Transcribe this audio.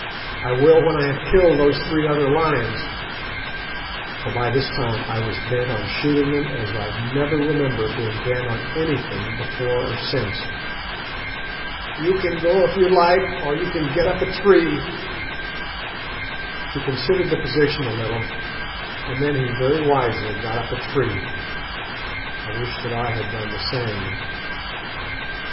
'I will when I have killed those three other lions,' for by this time I was bent on shooting them as I never remember being bent on anything before or since. 'You can go if you like, or you can get up a tree.' "He considered the position a little, and then he very wisely got up a tree. I wish that I had done the same.